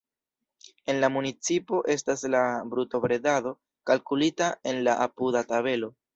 En la municipo estas la brutobredado kalkulita en la apuda tabelo.